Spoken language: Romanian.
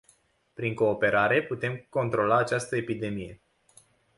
Prin cooperare, putem controla această epidemie.